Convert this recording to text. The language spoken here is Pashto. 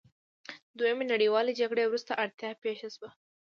د دویمې نړیوالې جګړې وروسته اړتیا پیښه شوه.